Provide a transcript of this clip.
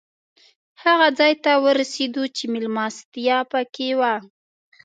هغه ځای ته ورسېدو چې مېلمستیا پکې وه.